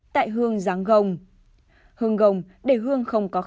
tại hương giáng gồng